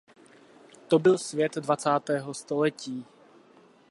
To byl svět dvacátého století.